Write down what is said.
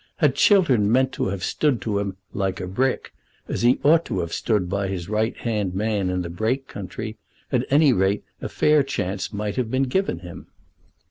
Had Chiltern meant to have stood to him "like a brick," as he ought to have stood by his right hand man in the Brake country, at any rate a fair chance might have been given him.